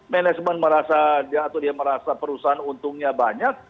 manajemen merasa atau dia merasa perusahaan untungnya banyak